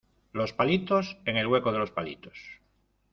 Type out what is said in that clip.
los palitos en el hueco de los palitos.